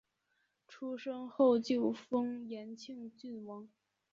出生后就封延庆郡王。